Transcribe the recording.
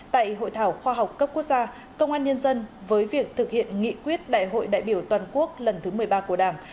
tại hội thảo khoa học cấp quốc gia công an nhân dân với việc thực hiện nghị quyết đại hội đại biểu toàn quốc lần thứ một mươi ba của đảng